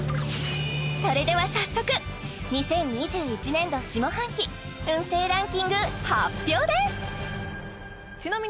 それでは早速２０２１年度下半期運勢ランキング発表ですオッケー！